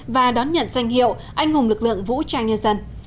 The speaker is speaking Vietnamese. và đón nhận danh hiệu anh hùng lực lượng vũ trang nhân dân